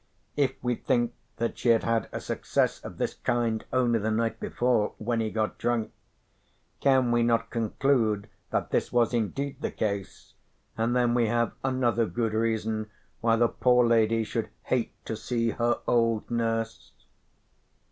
If we think that she had had a success of this kind only the night before, when he got drunk, can we not conclude that this was indeed the case, and then we have another good reason why the poor lady should hate to see her old nurse?